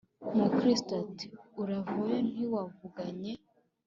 Mukristo ati: “Utaravayo, ntimwavuganye?